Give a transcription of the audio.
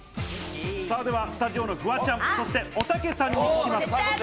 では、スタジオのフワちゃん、そしておたけさんに聞きます。